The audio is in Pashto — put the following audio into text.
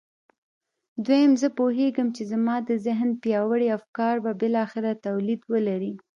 دويم زه پوهېږم چې زما د ذهن پياوړي افکار به بالاخره توليد ولري.